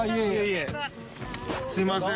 すみません。